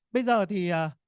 bây giờ thì